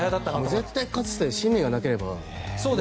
絶対勝つっていう心理がなければ。